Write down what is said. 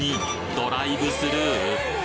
ドライブスルー？